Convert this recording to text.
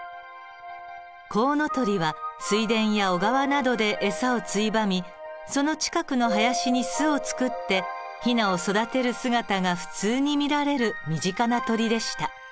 コウノトリは水田や小川などで餌をついばみその近くの林に巣を作ってヒナを育てる姿が普通に見られる身近な鳥でした。